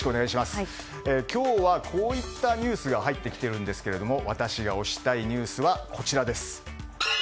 今日は、こういったニュースが入ってきているんですが私が推したいニュースはこちらです。